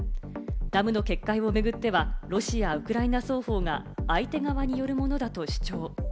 ダムの決壊を巡ってはロシア、ウクライナ双方が相手側によるものだと主張。